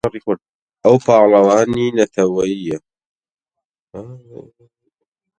ئەو پاڵەوانی نەتەوەیییە.